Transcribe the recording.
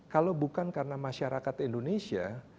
kalau bukan karena masyarakat indonesia